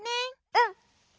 うん！